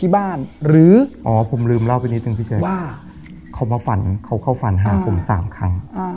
แล้วพิอุ่มเล่าว่าเค้าเข้าฟันหายผมสามครั้ง